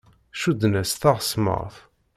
Cudden-as taɣesmart.